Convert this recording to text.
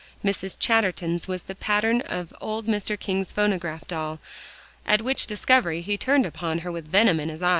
Mrs. Chatterton's was the pattern of old Mr. King's phonograph doll, at which discovery he turned upon her with venom in his eye.